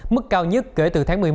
mức cao nhất kể từ tháng một mươi một